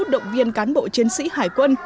động viên cán bộ chiến sĩ hải quân